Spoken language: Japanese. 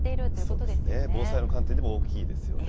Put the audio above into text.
そうですね、防災の観点でも大きいですよね。